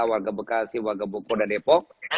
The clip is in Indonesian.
warga bekasi warga boko dan depok